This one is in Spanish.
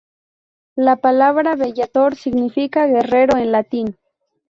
La palabra "Bellator" significa "Guerrero" en latín.